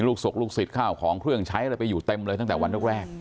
ศพลูกศิษย์ข้าวของเครื่องใช้อะไรไปอยู่เต็มเลยตั้งแต่วันแรก